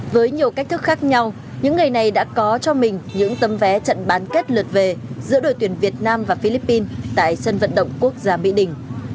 với nhiều cách thức khác nhau những người này đã có cho mình những tấm vé trận bán kết lượt về giữa đội tuyển việt nam và philippines tại sân vận động quốc gia mỹ đình